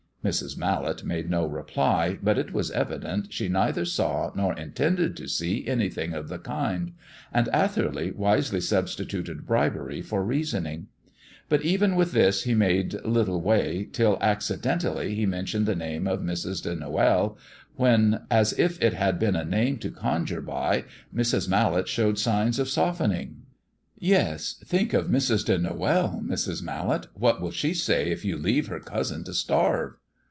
Mrs. Mallet made no reply, but it was evident she neither saw nor intended to see anything of the kind; and Atherley wisely substituted bribery for reasoning. But even with this he made little way till accidentally he mentioned the name of Mrs. de Noël, when, as if it had been a name to conjure by, Mrs. Mallet showed signs of softening. "Yes, think of Mrs. de Noël, Mrs. Mallet; what will she say if you leave her cousin to starve?"